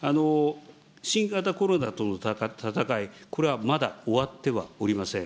新型コロナとの闘い、これはまだ終わってはおりません。